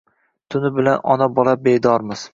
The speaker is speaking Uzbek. Tuni bilan ona-bola bedormiz